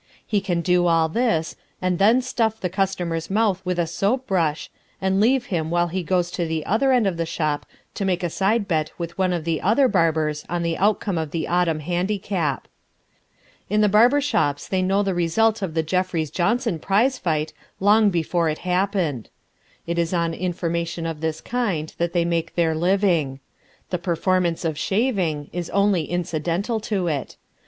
He can do all this, and then stuff the customer's mouth with a soap brush, and leave him while he goes to the other end of the shop to make a side bet with one of the other barbers on the outcome of the Autumn Handicap. In the barber shops they knew the result of the Jeffries Johnson prize fight long before it happened. It is on information of this kind that they make their living. The performance of shaving is only incidental to it.